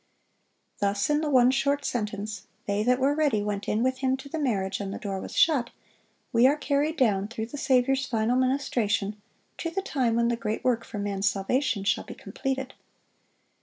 Thus in the one short sentence, "They that were ready went in with Him to the marriage, and the door was shut," we are carried down through the Saviour's final ministration, to the time when the great work for man's salvation shall be completed.